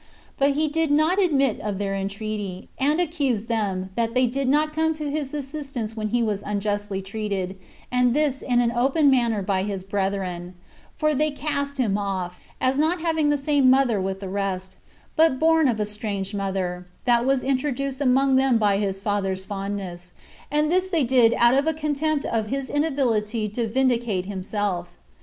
But he did not admit of their entreaty; and accused them, that they did not come to his assistance when he was unjustly treated, and this in an open manner by his brethren; for they cast him off, as not having the same mother with the rest, but born of a strange mother, that was introduced among them by his father's fondness; and this they did out of a contempt of his inability [to vindicate himself].